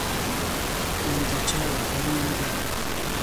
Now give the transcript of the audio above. د چا وه، معلومه نه ده.